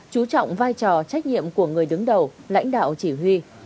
chú trọng vai trò trách nhiệm của người đứng đầu lãnh đạo chỉ huy